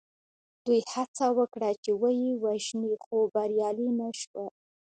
دوی هڅه وکړه چې ویې وژني خو بریالي نه شول.